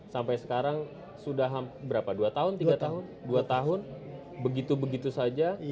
sampai sekarang sudah berapa dua tahun tiga tahun dua tahun begitu begitu saja